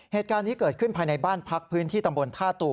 เหตุการณ์นี้เกิดขึ้นภายในบ้านพักพื้นที่ตำบลท่าตูม